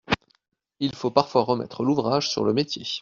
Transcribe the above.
Il faut parfois remettre l’ouvrage sur le métier.